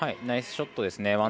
ナイスショットですね。